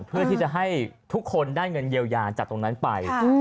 เพื่อที่จะให้ทุกคนได้เงินเยียวยาจากตรงนั้นไป